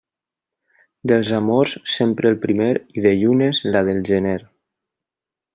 Dels amors sempre el primer, i de llunes, la del gener.